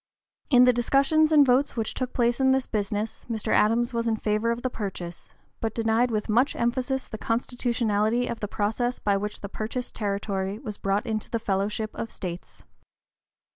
In the discussions and votes which took place in this business Mr. Adams was in favor of the purchase, but denied with much emphasis the constitutionality of the process by which the purchased territory was brought into the (p. 036) fellowship of States.